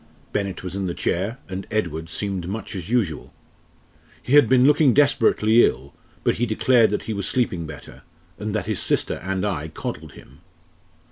Bennett was in the chair and Edward seemed much as usual. He had been looking desperately ill, but he declared that he was sleeping better, and that his sister and I coddled him.